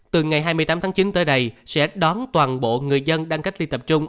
từ ngày hai mươi tám tháng chín tới đây sẽ đón toàn bộ người dân đang cách ly tập trung